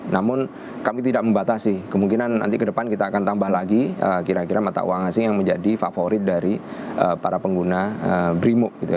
namun kami tidak membatasi kemungkinan nanti ke depan kita akan tambah lagi kira kira mata uang asing yang menjadi favorit dari para pengguna brimo